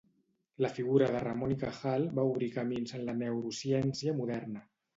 La figura de Ramon y Cajal va obrir camins en la neurociència moderna.